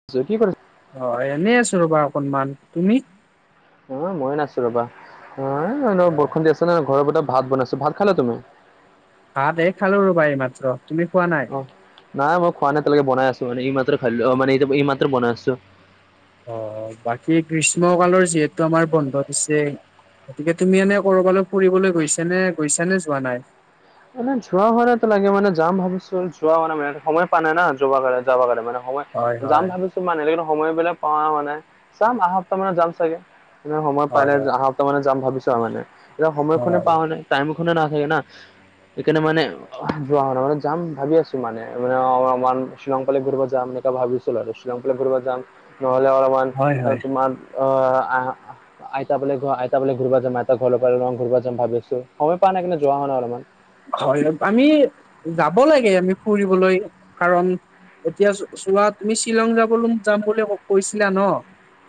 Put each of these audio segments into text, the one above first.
[unintelligible] অ' এনেই আছো ৰ'বা অকনমান তুমি? অ' ময়ো নাছো ৰ'বা অলপ বৰষুণ দি আছে ন ঘৰৰ ভিতৰত ভাত বনাইছো, ভাত খালা তুমি? ভাত এ খালো ৰ'বা এই মাত্ৰ। তুমি খোৱা নাই? অ নাই মই খোৱা নাই এতিয়ালৈকে বনাই আছো মানে এই মাত্ৰ খাইদিলো মানে ই মাত্ৰ বনাইছো। অ' বাকী গ্ৰীষ্ম কালৰ যিহেতু আমাৰ বন্ধ দিছে। গতিকে তুমি এনে কৰ'বালৈ ফুৰিবলৈ গৈছা নে, গৈছা নে যোৱা নাই? মানে যোৱা হোৱানাই এতিয়ালয়কে মানে যাম ভাবিছো যোৱা হোৱানাই সময় পোৱা নাই না যাব কাৰণে মানে সময় হয় যাম হয়, ভাবিছো মানে কিন্তু সময়বিলাক পোৱা হোৱা নাই যাম আহা সপ্তাহ মানত যাম চাগে। এনেও সময় হয় পোৱানাই হয়, আহা সপ্তাহ মানে যাম ভাবিছো আৰু মানে এতিয়া সময়খনে হয়, পাওঁৱা নাই টাইমখনে নাথাকে না। সেইকাৰণে মানে যোৱা হোৱা নাই মানে যাম ভাবি আছোঁ মানে [unintelligible] শ্বিলং ফালে ঘূৰিব যাম এনেকুৱা ভাবিছোঁ। শ্বিলং ফালে ঘূৰিব যাম নহ'লে অলপমান হয় হয়। তোমাৰ অ' আহ আইতা বোলে, আইতা বোলে ঘূৰিব যাম আইতা ঘৰ ফালে ঘূৰিব যাম ভাবিছো সময় পোৱা নাই কিন্তু যোৱা হোৱা নাই অলপমান। হয় আমি যাব লাগে আমি ফুৰিবলৈ কাৰণ এতিয়া চো চোৱা তুমি শ্বিলং যাবলৈ যাম বুলি কৈছিলা ন?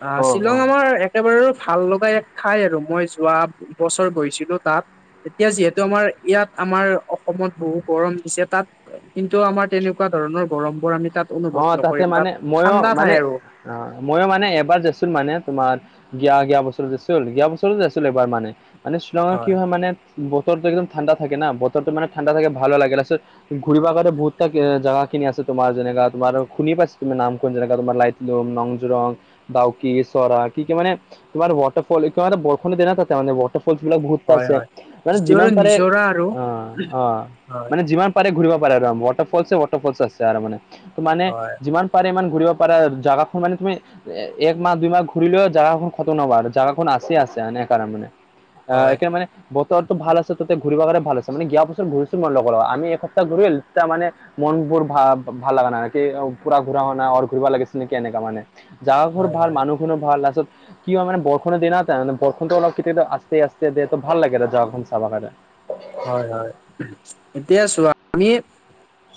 অ' শ্বিলং আমাৰ এক একেবাৰো ভাল লগা এক ঠাই আৰু মই যোৱা বছৰ গৈছিলো তাত। এতিয়া যিহেতু আমাৰ ইয়াত আমাৰ অসমত বহুত গৰম দিছে। তাত কিন্তু আমাৰ তেনেকুৱা ধৰণৰ গৰম বোৰ আমি তাত অ অনুভৱ তাতে নকৰিম মানে তাত মইয়ো ঠাণ্ডা মানে ঠাই আৰু। অ মইয়ো মানে এবাৰ দেচোন মানে তোমাৰ। যোৱা যোৱা বছৰত আছিল যোৱা বছৰত য আছিল এইবাৰ মানে মানে শ্বিলঙত কি হয় মানে। বতৰটো একদম ঠাণ্ডা থাকে না বতৰটো মানে ঠাণ্ডা থাকে ভা'ল লাগে লাচতত ঘূৰিবা কাৰতে বহুতটা জাগা খিনি আছে তোমাৰ যেনেকাত তোমাৰ খুনি পাইছ তুমি নাম কোন জেগাত তোমাৰ লৈতলুম নংজ্ৰং। ডাউকি চৰা কি কি মানে তোমাৰ ৱাটাৰফল কিবাএটা বৰষুণ দিনা তাতে মানে ফলবিলাক গুৰুত্ব হয় আছে হয় মানে যিটো আৰু যিমান পাৰে নিজৰা আৰু অ অ মানে যিমান পাৰে ঘূৰিব পাৰে আৰু ওৱাটাৰ ফলছে ওৱাটাৰ ফল আছে আৰু মানে ত মানে হয় যিমান পাৰে ইমান ঘূৰিব পাৰা জাগা খন মানে তুমি এক মাহ দুই মাহ ঘূৰিলেও জাগা খন খতম নহব আৰু জাগাখন আছে আছে এনে কাৰণ মানে অ হয় এতিয়া মানে। বতৰটো ভাল আছে, তাতে ঘূৰিব কাৰণে ভাল আছে মানে। যোৱা পাছত ঘূৰিছোঁ মই লগৰ আমি এসপ্তাহ ঘূৰিল তা মানে। মন বোৰ ভাব। ভাল লগা নাই নেকি পুৰা ঘূৰা হুৱা নাই আৰু ঘূৰিব লাগিছে নেকি এনেকা মানে। জাগা বোৰ হয় ভাল হয় মানুহ। যিকোনো ভাল তাৰ পাছত। কি হয় মানে বৰষুণ দিনা বৰষুণটো অলপ কেতিয়াবা আছতে আছতে দিয়ে তো ভাল লাগে আৰু জাগাখন চাবলে যে, অে [unintelligible] হয়, হয় এতিয়া চোৱা আমি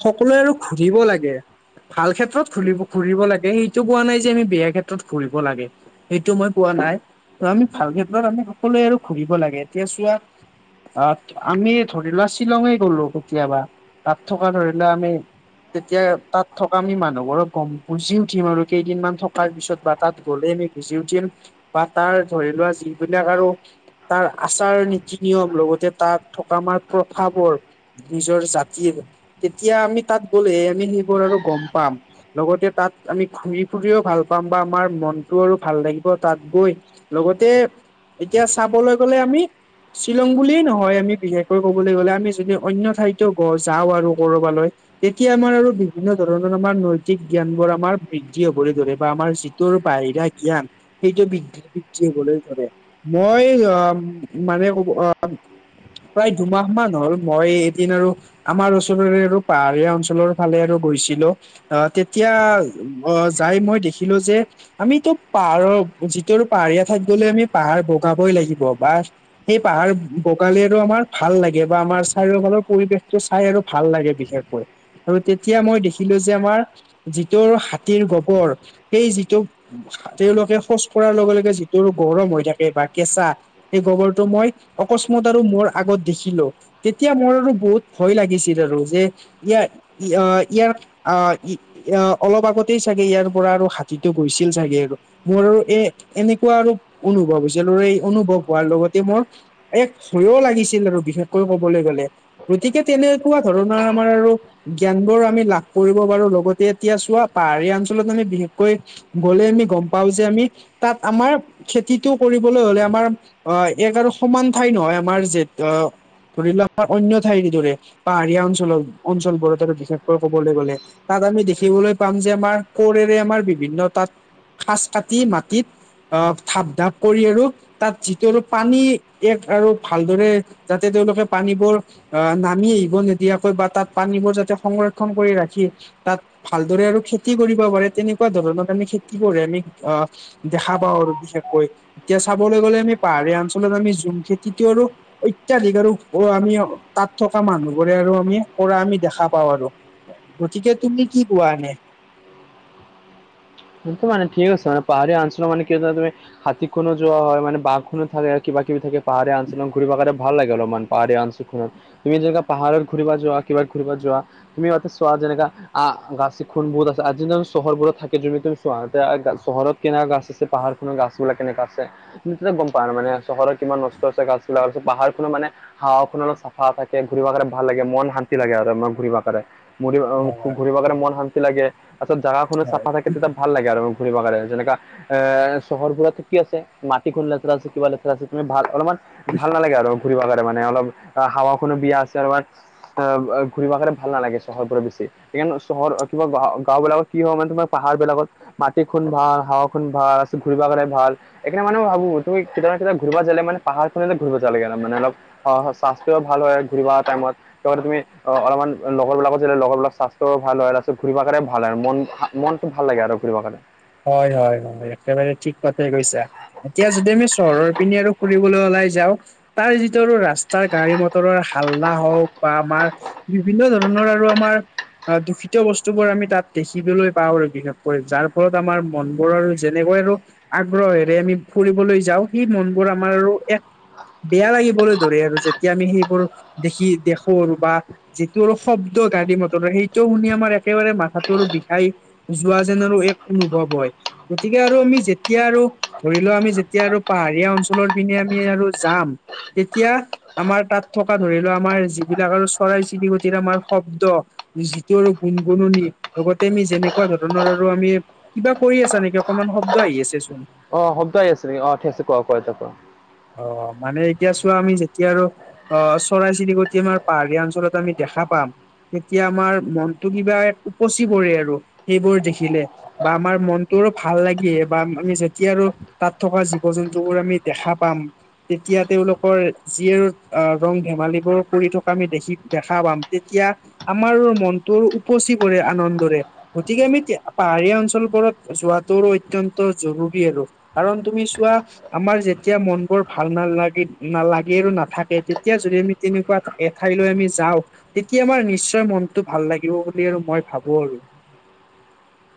সকলোৱে আৰু ঘুৰিব লাগে। ভাল ক্ষেত্ৰত ঘূৰিব ঘূৰিব লাগে, সেটো কোৱা নাই যে আমি বেয়া ক্ষেত্ৰত ঘূৰিব লাগে। সেইটো মই কোৱা নাই ত আমি ভাল ক্ষেত্ৰত আমি সকলোৱে আৰু ঘূৰিব লাগে এতিয়া চোৱা - আঠ। আমি ধৰি লোৱা শ্বিলঙে গ'লো কেতিয়াবা তাত থকা ধৰি লোৱা আমি। তেতিয়া তাত থকা আমি মানুহবোৰক গম বুজি উঠিম আৰু কেইদিনমান থকাৰ পিছত বা। তাত গ'লে আমি বুজি উঠিম বা তাৰ ধৰি লোৱা যিবিলাক আৰু। তাৰ আচাৰ নীতি নিয়ম লগতে তাত থকা আমাৰ প্ৰভাৱৰ। নিজৰ জাতিৰ তেতিয়া আমি তাত গ'লেহে আমি সেইবোৰ আৰু গম পাম। লগতে তাত আমি ঘুৰি ফুৰিও ভাল পাম বা আমাৰ মনটো আৰু ভাল লাগিব তাত গৈ। লগতে এতিয়া চাবলৈ গ'লে আমি শ্বিলং বুলিয়েই নহয়। হয় আমি বিশেষকৈ ক'বলৈ গলে আমি যদি অন্য ঠাইতো যাওঁ আৰু কৰবালৈ। তেতিয়া আমাৰ আৰু বিভিন্ন ধৰণৰ আমাৰ নৈতিক জ্ঞান বোৰ আমাৰ বৃদ্ধি হ'বলৈ ধৰে বা আমাৰ। তোৰ বাহিৰা জ্ঞান সেইটো বিদ্ধি বিদ্ধি হ'বলৈ ধৰে। মই অ মানে কব অ। প্ৰায় দুমাহ মান হ'ল মই এদিন আৰু। আমাৰ ওচৰৰে আৰু পাহাৰীয়া অঞ্চলৰ ফালে আৰু গৈছিলোঁ। আহ তেতিয়া আহ যাই মই দেখিলো যে। আমিতো পাহাৰৰ যিটো পাহাৰীয়া ঠাইত গ'লে আমি পাহাৰ বগাবই লাগিব বা। সেই পাহাৰ। ফকালি আৰু আমাৰ ভাল লাগে বা আমাৰ চাৰিওফালৰ পৰিৱেশটো চাই আৰু ভাল লাগে বিশেষকৈ। আৰু তেতিয়া মই দেখিলোঁ যে আমাৰ যিটোৰ হাতীৰ গোবৰ সেই যিটো। তেওঁলোকে শৌচ কৰঢ়াৰ লগে লগে যিটো গৰম হৈ থাকে বা কেঁচা। সেই গোবৰটো মই। অকস্মাতে আৰু মোৰ আগত দেখিলোঁ, তেতিয়া মোৰ আৰু বহুত ভয় লাগিছিল আৰু যে। ইয়াৰ ইয়াৰ। আহ অলপ আগতেই চাগে ইয়াৰ পৰা আৰু হাতীটো গৈছিল চাগে আৰু। মোৰ আৰু এ এনেকুৱা আৰু অনুভৱ হৈছিল, আৰু এই অনুভৱ হোৱাৰ লগতে মোৰ। এক হৈয়ও লাগিছিল আৰু বিশেষকৈ কবলৈ গলে গতিকে তেনেকুৱা ধৰণৰ আমাৰ আৰু। জ্ঞান বোৰ আমি লাভ কৰিব পাৰো। লগতে এতিয়া চোৱা পাহাৰীয়া অঞ্চলত আমি বিশেষকৈ। গ'লে আমি গম পাওঁ যে আমি। তাত আমাৰ খেতিটো কৰিবলৈ হ'লে আমাৰ অ এঘাৰ শ মান, কথাই নহয় আমাৰ যে ত ধৰি লোৱা আমাৰ অন্য ঠাইৰ দৰে পাহাৰীয়া অঞ্চলৰ অঞ্চলবোৰত বিশেষকৈ কবলৈ গ'লে তাত আমি দেখিবলৈ পাম যে, আমাৰ কোৰেৰে আমাৰ বিভিন্ন তাত খাচ কাটি মাটিত আহ ঢাপ ঢাপ কৰি আৰু তাত যিটো আৰু পানী। এক আৰু ভালদৰে যাতে তেওঁলোকে পানীবোৰ। আহ নামি আহিব নিদিয়াকৈ বা তাত পানীবোৰ যাতে সংৰক্ষণ কৰি ৰাখি। তাত ভালদৰে আৰু খেতি কৰিব পাৰে, তেনেকুৱা ধৰণৰ আমি খেতি কৰে আমি আ দেখা পাওঁ আৰু বিশেষকৈ এতিয়া চাবলৈ গলে আমি পাহাৰীয়া অঞ্চলত আমি ঝুম খেতিটো আৰু অত্যাধিক আৰু আমি তাত থকা মানুহবোৰে আৰু আমি কৰা আমি দেখা পাওঁ আৰু। গতিকে তুমি কি পোৱা এনে? এইটো মান ঠিক আছা, পাহাৰীয়া অঞ্চল মানে কি তুমি হাতীখনো যোৱা হয় মানে বাঁহখনো থাকে, কিবা - কিবি থাকে পাহাৰীয়া অঞ্চলন ঘূৰি কাৰণে ভাল লাগে অলপমান পাহাৰীয়া অঞ্চলটোত, তুমি যে পাহাৰৰ ঘূৰিব যোৱা কিবা ঘূৰিব যোৱা তুমি ইয়াতে চোৱা যেনেকা আহ গাচি খুন বহুত আছে আজি চহৰবোৰত থাকে যুম তুমি চোৱা গা আ চহৰত কেনেকা গাছ আছে পাহাৰখনৰ গাছবিলাক কেনেকা আছে। তুমি কিমান গম পাহাৰ মানে চহৰত কিমান নষ্ট আছে গাছ গিলা, পাহাৰখনো মানে হাৱাখন অলপ চাফা থাকে, ঘূৰিব কাৰনে ভাল লাগে, মন শান্তি লাগে আৰু আমাৰ ঘূৰিব কাৰণে। মৰি অ ঘূৰিবৰ কাৰণে মন শান্তি লাগে তাৰ পিছত জাগাখনো চাফা থাকে। তেতিয়া ভাল লাগে আৰু ঘূৰিব কাৰণে যেনেকা এ চহৰবোৰতো কি আছে, মাটিখন লেতেৰা আছে কিবা লেতেৰা আছে তুমি ভাল অলপমান ভাল নালাগে আৰু ঘুৰিব কাৰণে মানে অলপ অ হাৱাখনো বিয়া আছে আৰু মা আহ ঘূৰিব কাৰণে ভাল নালাগে চহৰ পৰা বেছি। সেইকাৰণ চহৰ কিবা গ গাঁও বিলাকত কি হয় মানে তোমাৰ পাহাৰবিলাকত মাটি খুন ভাল, হাৱা খুন ভাল আছিল ঘূৰিব কাৰণে ভাল। এইকাৰনে মানে ভাবো তুমি কেতিয়াবা কেতিয়াবা ঘূৰিব যালে মানে পাহাৰখনতে ঘূৰিব যালে কেনে মানে অলপ হয় হয় স্বাস্থ্যও ভাল হয় ঘূৰিবা টাইমত। তত ঘূৰি অ অলপমান লগৰবিলাকো যে লগৰ বিলাক স্বাস্থ্যও ভাল হয়, আৰু ঘূৰি পা ভাল আৰু মন মন টো ভাল লাগে আৰু ঘূৰিব কাৰণে। হয় হয় হয়, একেবাৰে ঠিক কথাই কৈছা এতিয়া যদি আমি চহৰৰ পিনে আৰু ফুৰিলৈ ওলাই যাও তাৰ যিটো ৰাস্তাৰ গাড়ী- মটৰৰ হাল্লা হওক বা আমাৰ বিভিন্ন ধৰণৰ আৰু আমাৰ আ দূষিত বস্তুবোৰ আমি তাত দেখিবলৈ পাওঁ আৰু বিশেষকৈ যাৰ ৰত আমাৰ মনবোৰ আৰু যেনেকৈ আৰু আগ্ৰহেৰে আমি ফুৰিবলৈ যাওঁ, সেই মনবোৰ আমাৰ এক বেয়া লাগিবলৈ ধৰে, আৰু যেতিয়া আমি সেইবোৰ দেখি দেখো আৰু বা যিটো আৰু শব্দ গাড়ী - মটৰৰ সেইটো শুনি আমাৰ একেবাৰে মাথাটোৰ বিষাই যোৱা যেন আৰু এক অনুভৱ হয়। গতিকে আৰু আমি যেতিয়া আৰু ধৰি লও আমি যেতিয়া আৰু পাহাৰীয়া অঞ্চলৰ পিনে আমি আৰু যাম, তেতিয়া আমাৰ তাত থকা ধৰি লোৱা আমাৰ যিবিলাক আৰু চৰাই- চিৰিকটিৰ আমাৰ শব্দ যিটো আৰু গুণ - গুণনি লগতে আমি যেনেকুৱা ধৰণৰ আৰু আমি কিবা কৰি আছা নেকি? অকমান শব্দ আহি আছে চোন? অ শব্দ আহি আছে নিকি? অ ঠিক আছে কোৱা কোৱা, এতিয়া কোৱা? অ মানে এতিয়া চোৱা আমি যেতিয়া আৰু অ চৰাই - চিৰিকটি আমাৰ পাহাৰীয়া অঞ্চলত আমি দেখা পাম তেতিয়া আমাৰ মনটো কিবা উপচি পৰে আৰু, সেইবোৰ দেখিলে। বা আমাৰ মনটোৰো ভাল লাগিয়ে বা আমি যেতিয়া আৰু তাত থকা জীৱ - জন্তুবোৰ আমি দেখা পাম। তেতিয়া তেওঁলোকৰ যি আৰু আ ৰং ধেমালিবোৰ কৰি থকা আমি দেখি দেখা পাম তেতিয়া আমাৰো মনটো উপচি পৰে আনন্দৰে। গতিকে আমি তে পাহাৰীয়া অঞ্চলবোৰত যোৱাটো অত্যন্ত জৰুৰী আৰু কাৰণ তুমি চোৱা আমাৰ যে তিয়া মনবোৰ ভাল নালাগে নালাগে আৰু নাথাকে তেতিয়া যদি আমি তেনেকুৱা এঠাইলৈ আমি যাওঁ তেতিয়া আমাৰ নিশ্চয় মনটো ভাল লাগিব বুলি আৰু মই ভাবোঁ আৰু।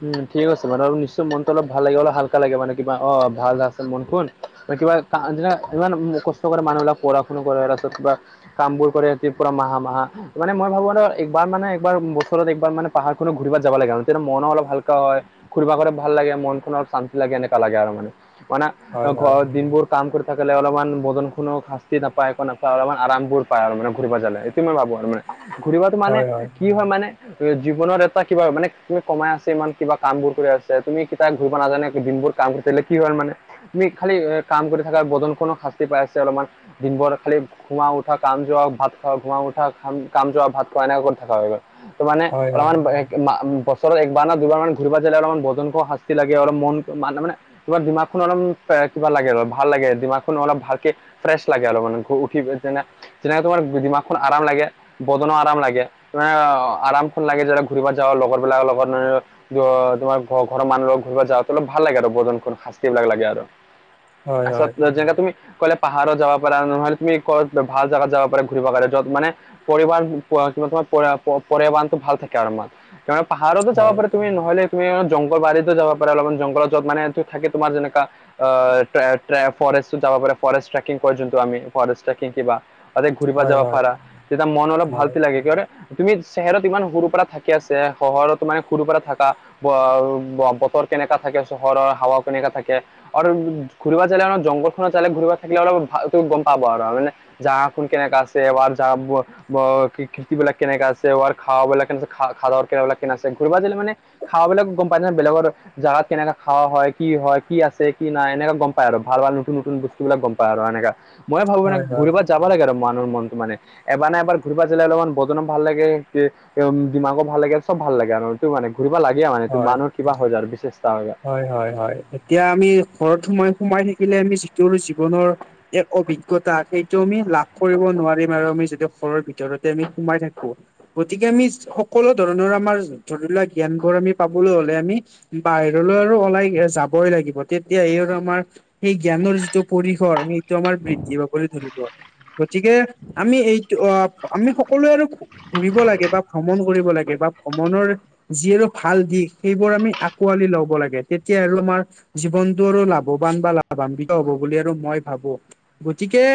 উম ঠিক আছে মানে আৰু নিশ্চয় মনটো অলপ ভাল লাগে অলপ হাল্কা লাগে মানে কিবা অ ভাল আছে মনখুন মানে কিবা তা', আজিৰা ইমান কষ্ট কৰে মানুহবিলাক পঢ়া শুনা কৰে, তাৰপিছত কিবা', কামবোৰ কৰে ৰাতিৰ পৰা মাহা মাহা', মানে মই ভাবোঁ আৰু একবাৰ মানে একবাৰ বছৰত একবাৰ মানে পাহাৰখনো ঘূৰিবাত যাব লাগে আৰু তেতিয়া মন অলপ', হালকা হয়, ঘূৰিবা গ'লে ভাল লাগে মনখন অলপ শান্তি লাগে এনেকুৱা লাগে আৰু মানে', মানে, হয় হয় ঘৰত দিনবোৰ', কাম কৰি থাকে অলপমান বদনখনো শাস্তি নাপায়, একো নাপায়, অলপমান আৰামবোৰ পায় আৰু মানে ঘূৰিব যালে সেইটো মই ভাবোঁ আৰু মানে', ঘুৰিবাতো মানে, কি হয় মানে, এ, জীৱনৰত এটা কিবা মানে, তুমি কমাই আছ', ইমান কিবা কাম বোৰ কৰি আছে, তুমি কেতিয়া ঘূৰিব নাজানে, কি দিনভৰ কাম কৰি থাকিলে কি হয় মানে', তুমি খালি এ', কাম কৰি থকা বদনখনো শাস্তি পাই আছে অলপমান', দিনবোৰ খালি, ঘো', -ঘোমা উঠা কাম যোৱা ভাত খাওঁ, ঘোমা উঠা খাম', -কাম যোৱা ভাত খোৱা এনেকা কৰি থকা হয় মানে', ত', মানে হয় অলপমান বে', -অ', -মা', - বছৰত এক', বা', না', দুবাৰ মান ঘূৰিব যেলে অলপমান বদনক শাস্তি লাগে অলপ মনটো মা', -না', মানে', তোমাৰ দিমাখখন অলপ কিবা লাগে আৰু ভাল লাগে দিমাখখন অলপ ভালকে', ফ্ৰেছ লাগে অলপ মানে, শুই উঠি যেনে যেনেকা তোমাৰ দিমাখখন আৰাম লাগে', বদনও আৰাম লাগে, তেনেকা আ', -আৰামখন লাগে যে না', ঘূৰিব যাওঁ লগৰবিলাকৰ লগত মান', অহ', তোমাৰ ঘৰ', - ঘৰৰ মানুহ লগৰ ঘূৰিব যাওঁ, অলপ ভাল লাগে আৰু বদনখন শাস্তি বিলাক লাগে আৰু', - হয় হয় তাৰপিছত যেনে তুমি ক'লে', পাহাৰত যাব পাৰা নহ'লে তুমি ক'ত ভাল জাগাত যাব পাৰা ঘূৰিব পাৰা য'ত মানে', পৰিবাণ কি তোমাৰ পৰা', -প', -পৰি', - পৰিবাণটো ভাল থাকে আৰু মা', -মানে পাহাৰত', যাব হয় পাৰে তুমি নহ'লে, তুমি জংঘল বাৰীতো যাব পাৰা অলপমান জংলত যত মানে থাকে তোমাৰ যেনেকা', অহ', ট্ৰে', -ট্ৰে', ফৰেষ্টত যাব পাৰে ফৰেষ্ট ট্ৰেকিং কয় যোনটো আমি, ফৰেষ্ট ট্ৰেকিং কিবা', তাতে ঘূৰিব হয় হয় হয় যাব পাৰা, তেতিয়া মন অলপ ভালছে হয় লাগে কিয় ন', তুমি চেহেৰত ইমান সৰুৰ পৰা থাকি আছে হহৰত', ত', মানে সৰুৰ পৰা থাকা ব', -ব', - বতৰ কেনেকা থাকে চহৰৰ হাৱা কেনেকা থাকে? আৰু ঘূ', - ঘূৰিব জালে জংঘল খনৰ জালে ঘূৰিবা থাকে আৰু ভালকে গম পাব আৰু মানে', জাগাখন কেনেকা আছে, আৰু যাব? ব', খে', -খে', -খেততিবলাক কেনেকে আছে উহাৰ খাৱা বিলাক কেনে আছে খা', -খা', -খাৱা বিলাক কেনে আছে ঘূৰবা দিলে মানে', খাৱা বিলাক গম পাছে নহয় বেলেগৰ দৰে', জাগাত কেনেকে খাৱা হয়, কি হয়, কি আছে, কি নাই, এনেকা গম পায় আৰু ভাল', - ভাল, নতুন', - নতুন, বস্তু', সিবিলাক গম পায় আৰু এনেকা, মই ভাবোঁ মানে হয় হয় ঘূৰিব যাব লাগে আৰু মানুহ মনটো মানে', এবাৰ না', এবাৰ ঘূৰিব জালে অলপমান বদনো ভাল লাগে, হে', -উম', দিমাগো ভাল লাগে', চব ভাল লাগে আৰু হেতু মানে ঘূৰিব লাগে মানে তো', হয় মানুহৰ কিবা যায় আৰু বিশচেষ্টা হৈ যায়', হয়', - হয়', - হয়', এতিয়া আমি ঘৰত সোমাই, -সোমাই থাকিলে আমি যিটো জীৱনৰ', এক অভিজ্ঞতা, সেইটো আমি লাভ কৰিব নোৱাৰিম আৰু আমি যদি ঘৰৰ ভিতৰতে আমি সোমাই থাকোঁ', গতিকে আমি সকলো ধৰণৰ আমাৰ ধৰিলোৱা জ্ঞানবোৰ আমি পাবলৈ হ'লে আমি বাহিৰ', হ'লে আৰু ওলাই যাবই লাগিব তেতিয়া এই আৰু আমাৰ', সেই জ্ঞানৰ যিটো পৰিসৰ, সেইটো আমাৰ বৃদ্ধি পাবলৈ ধৰিব', গতিকে আমি এইটো অ', - আমি সকলোৱে আৰু', ফুৰিব লাগে বা ভ্ৰমণ কৰিব লাগে বা ভ্ৰমণৰ', যিহেতু ভাল দিশ সেইবোৰ আমি আকোৱালি লওঁ', ল'ব লাগে, তেতিয়া আৰু আমাৰ জীৱনতটো আৰু লাভৱান বা লাভান্বিত হব বুলি আৰু মই ভাবোঁ', গতিকে',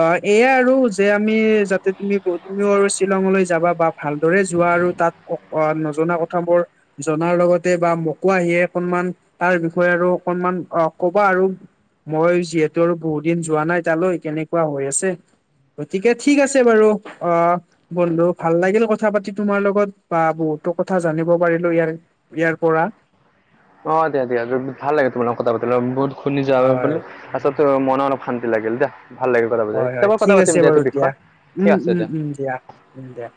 অ, এয়াই আৰু যে আমি যাতে তুমি, তুমি আৰু শ্বিলঙলৈ যাবা বা ভালদৰে যোৱা আৰু তাত', অ', নজনা কথাবোৰ জনাৰ লগতে বা মোকো আহিয়েই', অকনমান, তাৰ বিষয়ে আৰু অকনমান অ', কবা আৰু', মই যিহেতু আৰু বহুত দিন যোৱা নাই তালৈ কেনেকুৱা হৈ আছে। গতিকে ঠিক আছে বাৰু অ। বন্ধু ভাল লাগিল কথা পাতি তোমাৰ লগত বা বহুতো কথা জানিব পাৰিলো ইয়াৰ ইয়াৰ পৰা অ', দিয়া', - দিয়া', ভাল লাগে তোমাল লগত কথা পাতিলে বহুত খুলি যোৱা বুলি হয় ', তাৰপিছতে মনও অলপ শান্তি লাগিল দে ভাল লাগিল', কথা পাতি হয়', - হয়', কেতিয়াবা কথা ঠিক পাতিম আছে এইটো বাৰু দিয়া, বিষয়ত ঠিক উম', - আছে উম', -উম', দিয়া, উম', দিয়া',